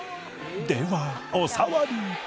ではお触り